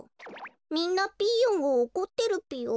みんなピーヨンをおこってるぴよ。